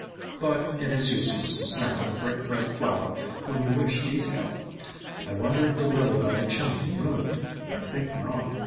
But it is useless to snap at a brick red flower when you wish detail. I wonder if the Lily by the chimney moved. I think not."